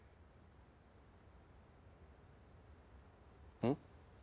うん？